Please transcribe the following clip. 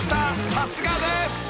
さすがです］